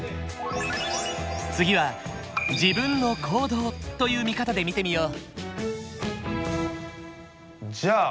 次は自分の行動という見方で見てみよう。